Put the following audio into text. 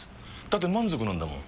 だって満足なんだもん。